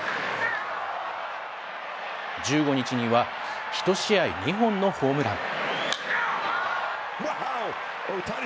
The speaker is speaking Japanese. １５日には、１試合２本のホームラン。